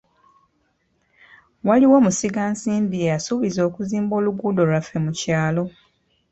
Waliwo musigansimbi eyasuubiza okuzimba oluguudo lwaffe mu kyalo.